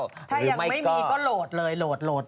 ถ้ายังไม่มีก็โหลดเลยโหลด